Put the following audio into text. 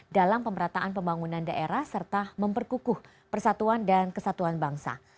dalam pemerataan pembangunan daerah serta memperkukuh persatuan dan kesatuan bangsa